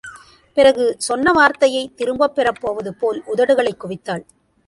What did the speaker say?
பிறகு, சொன்ன வார்த்தையை திரும்பப் பெறப் போவதுபோல், உதடுகளைக் குவித்தாள்.